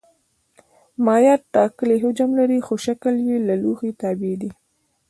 مایعات ټاکلی حجم لري خو شکل یې د لوښي تابع دی.